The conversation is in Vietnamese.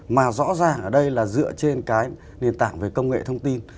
mà rõ ràng ở đây là dựa trên cái nền tảng về công nghệ thông tin